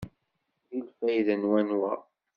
Deg lfayda n wanwa?